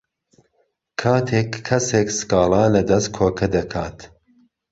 کاتێک کهسێک سکاڵا لهدهست کۆکه دهکات